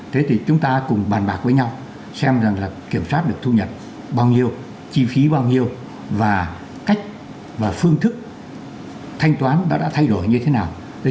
thế thì chúng ta cùng bàn bạc với nhau xem rằng là kiểm soát được thu nhập bao nhiêu chi phí bao nhiêu và cách và phương thức thanh toán đã thay đổi như thế nào